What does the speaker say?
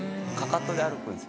かかとで歩く？